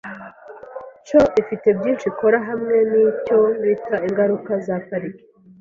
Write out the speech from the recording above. CO ifite byinshi ikora hamwe nicyo bita ingaruka za parike.